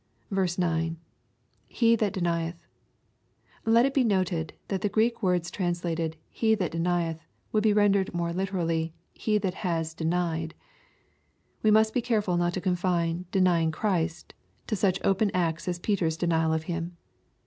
9. — [Be thai deniethJ] Let it be noted, that the Greek words trans lated " he that denieth," would be rendered more literally " he that has deoied." We must be careful not to confine " denying Christ" to such open acts as Peter's denial of Him.